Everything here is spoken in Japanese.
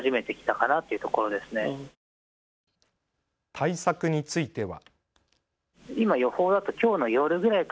対策については。